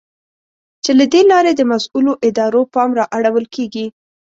چې له دې لارې د مسؤلو ادارو پام را اړول کېږي.